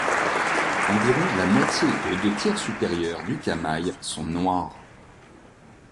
Environ la moitié aux deux tiers supérieurs du camail sont noirs.